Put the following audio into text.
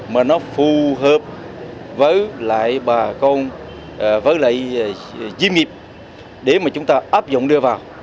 mà nó phù hợp với lại bà con với lại chuyên nghiệp để mà chúng ta áp dụng đưa vào